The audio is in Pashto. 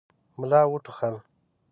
ملا وټوخل.